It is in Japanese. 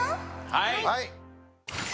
はい。